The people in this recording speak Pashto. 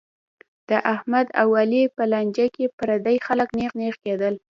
د احمد او علي په لانجه کې پردي خلک نېغ نېغ کېدل.